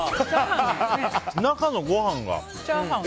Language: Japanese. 中の、ご飯がね。